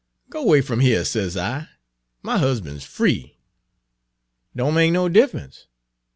" 'Go way f'm yere,' says I; ' my husban' 's free! '" 'Don' make no diff'ence.